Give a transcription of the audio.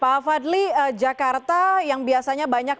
pak fadli jakarta yang biasanya banyak